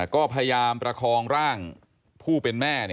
ก็พยายามประคองร่างผู้เป็นแม่